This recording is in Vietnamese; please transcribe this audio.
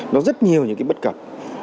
nó rất nhiều những cái bất cập